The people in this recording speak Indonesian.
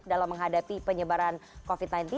dalam menghadapi penyebaran covid sembilan belas